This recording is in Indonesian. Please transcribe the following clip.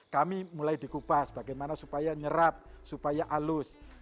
kami mulai dikupas bagaimana supaya nyerap supaya halus